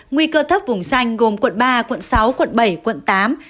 nguy cơ thấp vùng xanh gồm quận ba quận sáu quận bảy quận tám